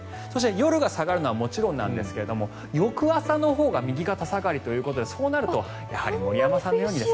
夜が下がるのはもちろんですが翌朝のほうが右肩下がりということでそうなると森山さんのように。